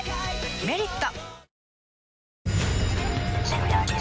「メリット」